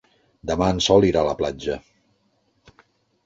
Demà en Sol irà a la platja.